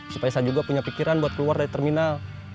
supaya saya juga punya pikiran buat keluar dari terminal